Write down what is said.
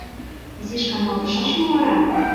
Изиш каналтышаш мо вара?